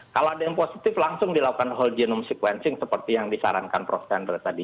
kalau ada yang positif langsung dilakukan whole genome sequencing seperti yang disarankan prof chandra tadi